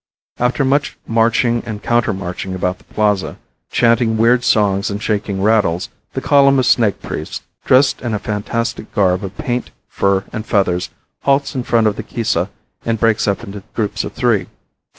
After much marching and countermarching about the plaza, chanting weird songs and shaking rattles, the column of snake priests, dressed in a fantastic garb of paint, fur and feathers, halts in front of the Kisa and breaks up into groups of three.